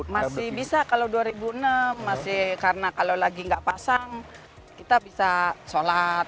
masih bisa kalau dua ribu enam masih karena kalau lagi nggak pasang kita bisa sholat